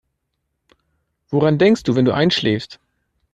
Woran denkst du, wenn du einschläfst?